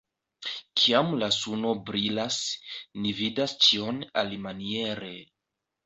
Kiam la suno brilas, ni vidas ĉion alimaniere.